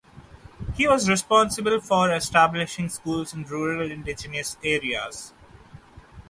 He was responsible for establishing schools in rural indigenous areas.